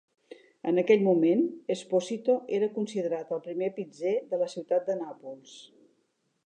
En aquell moment, Esposito era considerat el primer pizzer de la ciutat de Nàpols.